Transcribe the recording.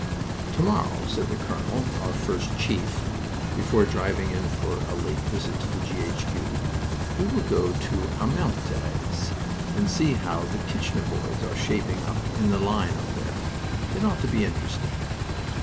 "To morrow," said the colonel our first chief before driving in for a late visit to G. H. Q., "we will go to Armentieres and see how the 'Kitchener' boys are shaping in the line up there. It ought to be interesting."